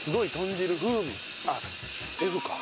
あっＦか。